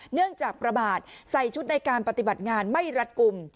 เนื่องจากประมาทใส่ชุดในการปฏิบัติงานไม่รัดกลุ่ม